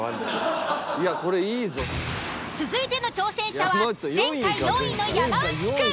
続いての挑戦者は前回４位の山内くん。